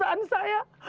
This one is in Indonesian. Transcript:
aduh aduh aduh